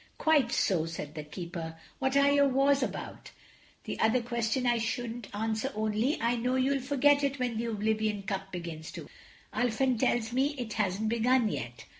"Quite so," said the Keeper, "what are your wars about? The other question I shouldn't answer only I know you'll forget it when the oblivion cup begins to work. Ulfin tells me it hasn't begun yet.